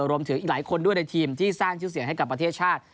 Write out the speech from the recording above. รวมถึงอีกหลายคนด้วยในทีมที่สร้างชื่อเสียงให้กับประเทศชาติ